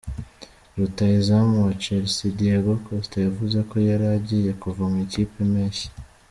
Rutahizamu wa Chelsea Diego Costa yavuze ko yari agiye kuva mu ikipe mpeshyi.